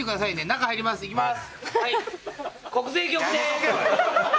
中入ります行きます